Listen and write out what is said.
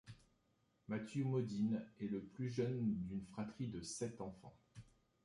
Matthew Modine est le plus jeune d'une fratrie de sept enfants.